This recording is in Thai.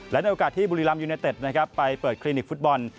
และในโอกาสที่บุรีรัมยูเนเต็ดนะครับไปเปิดคลินิกฟุตบอล